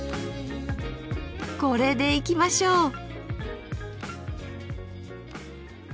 これでいきましょう！